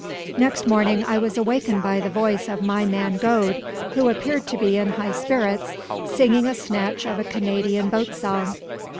Next morning I was awakened by the voice of my man Gode, who appeared to be in high spirits, singing a snatch of a Canadian boat song.